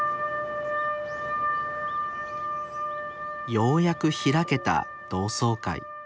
ようやく開けた同窓会。